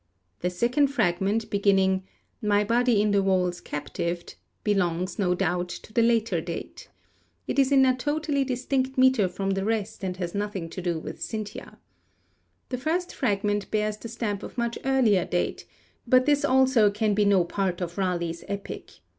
The second fragment, beginning 'My body in the walls captived,' belongs, no doubt, to the later date. It is in a totally distinct metre from the rest and has nothing to do with Cynthia. The first fragment bears the stamp of much earlier date, but this also can be no part of Raleigh's epic.